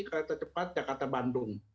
kereta cepat jakarta bandung